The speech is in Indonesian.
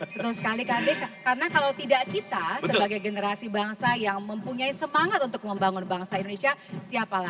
betul sekali kandi karena kalau tidak kita sebagai generasi bangsa yang mempunyai semangat untuk membangun bangsa indonesia siapa lagi